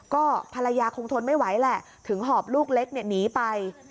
ก็ภรรยาคงทนไม่ไหวแหละถึงหอบลูกเล็กหนีไป